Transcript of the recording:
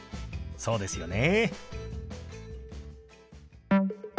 そうですよね。